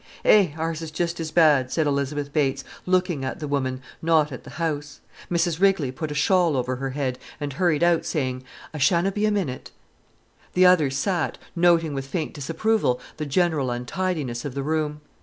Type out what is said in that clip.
"Eh, ours is just as bad," said Elizabeth Bates, looking at the woman, not at the house. Mrs Rigley put a shawl over her head and hurried out, saying: "I shanna be a minute." The other sat, noting with faint disapproval the general untidiness of the room.